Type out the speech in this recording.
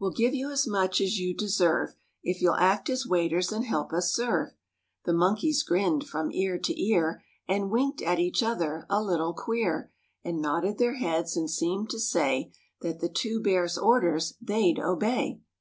We'll give you as much as you deserve If you'll act as waiters and help us serve." The monkeys grinned from ear to ear And winked at each other a little queer, And nodded their heads and seemed to say That the two Bears' orders they'd obey.